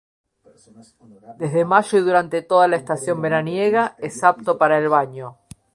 Desde mayo y durante toda la estación veraniega es apto para el baño.